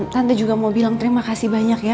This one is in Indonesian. tante juga mau bilang terima kasih banyak ya